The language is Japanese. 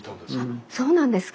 あっそうなんですか。